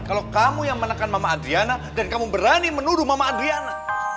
kalau kamu yang menekan mama adriana dan kamu berani menuduh mama adriana